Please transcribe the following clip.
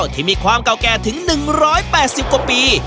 ที่มีความเก่าแก่ถึง๑๘๐กว่าปี